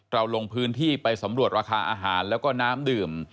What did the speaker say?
ลงพื้นที่ไปสำรวจราคาอาหารแล้วก็น้ำดื่ม